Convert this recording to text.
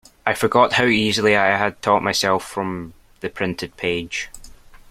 I forgot how easily I had taught myself from the printed page.